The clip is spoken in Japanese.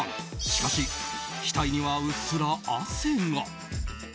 しかし額には、うっすら汗が。